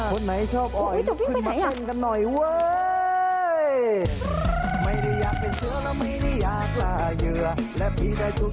คนไหนชอบออยมึงขึ้นมาเต้นกันหน่อยเว้ย